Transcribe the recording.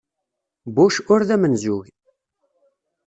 Bush ur d amenzug.